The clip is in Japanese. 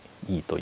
はい。